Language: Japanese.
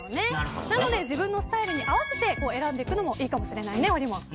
なので自分のスタイルに合わせて選んでいくのもいいかもしれないですね。